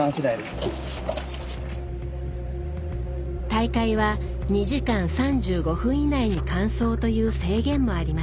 大会は２時間３５分以内に完走という制限もあります。